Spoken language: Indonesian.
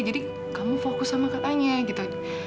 jadi kamu fokus sama katanya gitu